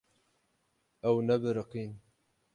Ew nebiriqîn.